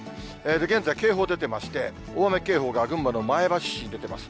現在、警報が出てまして、大雨警報が群馬の前橋市に出てます。